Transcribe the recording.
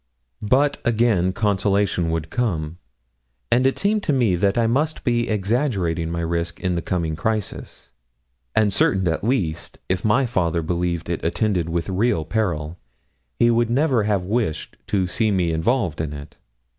But, again, consolation would come, and it seemed to me that I must be exaggerating my risk in the coming crisis; and certain at least, if my father believed it attended with real peril, he would never have wished to see me involved in it.